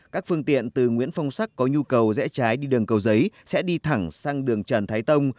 các phương tiện từ nguyễn phong sắc có nhu cầu rẽ trái đi đường cầu giấy sẽ đi thẳng sang đường trần thái tông